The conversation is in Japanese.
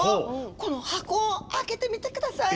この箱を開けてみてください。